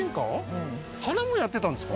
うん花もやってたんですか？